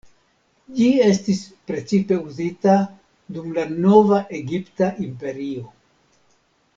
Ĝi estis precipe uzita dum la Nova Egipta Imperio.